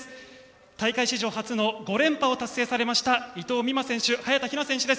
大会史上初の５連覇を達成されました伊藤美誠選手、早田ひな選手です。